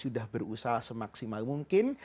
sudah berusaha semaksimal mungkin